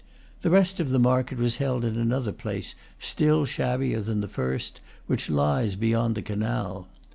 The rest of the market was held in another place, still shabbier than the first, which lies beyond the canal.